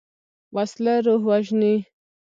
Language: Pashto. وسله روح وژني